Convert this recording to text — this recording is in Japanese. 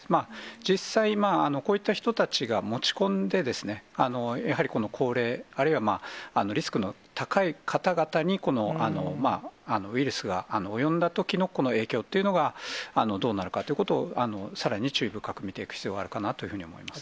実際、こういった人たちが持ち込んで、やはりこの高齢、あるいはリスクの高い方々に、このウイルスが及んだときのこの影響というのがどうなるかということを、さらに注意深く見ていく必要があるかなというふうに思います。